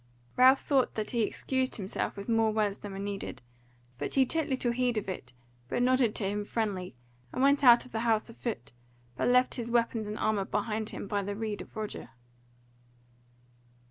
Ralph thought that he excused himself with more words than were needed; but he took little heed of it, but nodded to him friendly, and went out of the house afoot, but left his weapons and armour behind him by the rede of Roger.